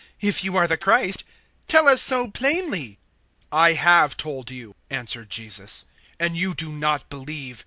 If you are the Christ, tell us so plainly." 010:025 "I have told you," answered Jesus, "and you do not believe.